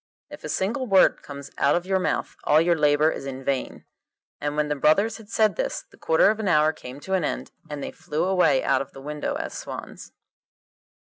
If a single word comes out of your mouth, all your labour is vain.' And when the brothers had said this the quarter of an hour came to an end, and they flew away out of the window as swans.